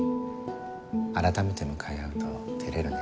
あらためて向かい合うと照れるね。